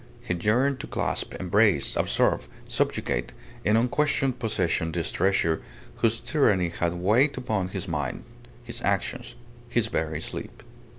He yearned to clasp, embrace, absorb, subjugate in unquestioned possession this treasure, whose tyranny had weighed upon his mind, his actions, his very sleep.